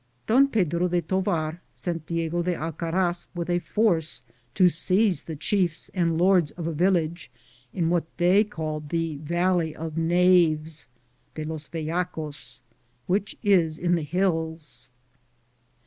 Don Pedro de Tovar sent Diego de Alcaraz with a force to seize the chiefs and lords of a village in what they call the Valley of Knaves (de Ios Vellacoa), which is in the hills.